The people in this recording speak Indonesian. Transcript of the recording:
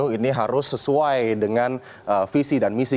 ini harus sesuai dengan visi dan misi